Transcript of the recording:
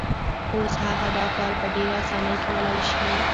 اوس هغه دا کار په ډېرې اسانۍ کولای شي.